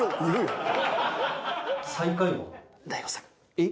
えっ？